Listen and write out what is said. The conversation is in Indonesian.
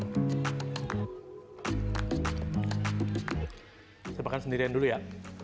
saya makan sendirian dulu ya